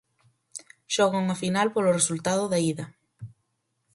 Xoga unha final polo resultado da ida.